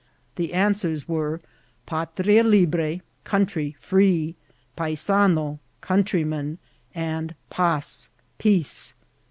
The answers were, ^' Patria Li bra," "Country free;" " Paisino," "Countryman;" and "Paz," "Peace."